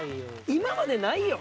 今までないよ。